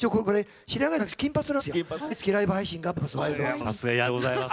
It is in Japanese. ありがとうございます。